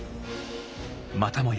またもや